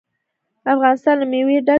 افغانستان له مېوې ډک دی.